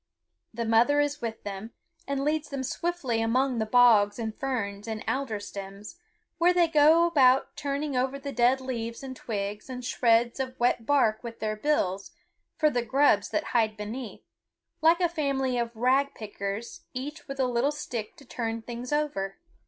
The mother is with them, and leads them swiftly among the bogs and ferns and alder stems, where they go about turning over the dead leaves and twigs and shreds of wet bark with their bills for the grubs that hide beneath, like a family of rag pickers each with a little stick to turn things over.